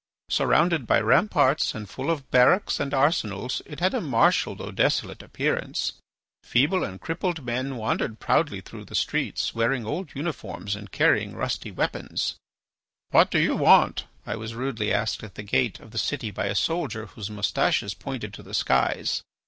Surrounded by ramparts and full of barracks and arsenals it had a martial though desolate appearance. Feeble and crippled men wandered proudly through the streets, wearing old uniforms and carrying rusty weapons. "What do you want?" I was rudely asked at the gate of the city by a soldier whose moustaches pointed to the skies.